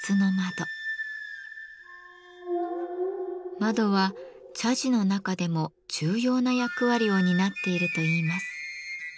窓は茶事の中でも重要な役割を担っているといいます。